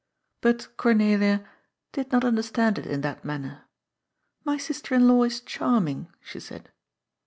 But Cornelia ^'did not understand it in that manner." " My sister in law is charming,'* she said.